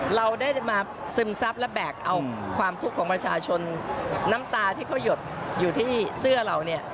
เราได้มาซึมซับและแบกเอาความทุกข์ของประชาชนน้ำตาที่เขาหยดอยู่ที่เสื้อเราเนี่ย